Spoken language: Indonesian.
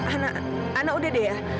ana ana udah deh ya